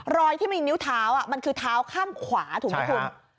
รอยที่มีนิ้วเท้ามันคือเท้าข้างขวาถูกไหมคุณ